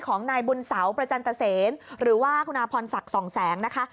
ของนายบุญเสาประจันตเซนหรือว่าคุณอาพรศักดิ์สองแสงนะคะ